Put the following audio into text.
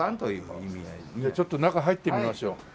じゃあちょっと中入ってみましょう。